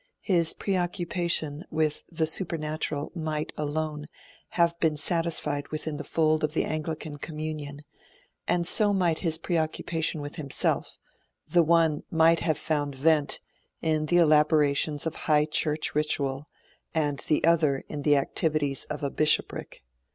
His preoccupation with the supernatural might, alone, have been satisfied within the fold of the Anglican communion; and so might his preoccupation with himself the one might have found vent in the elaborations of High Church ritual, and the other in the activities of a bishopric.